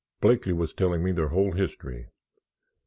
Blakeley was telling me their whole history.